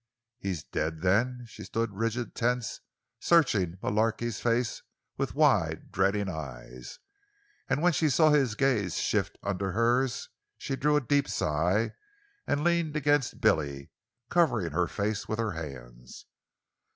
"He's dead, then?" She stood rigid, tense, searching Mullarky's face with wide, dreading eyes, and when she saw his gaze shift under hers she drew a deep sigh and leaned against Billy, covering her face with her hands.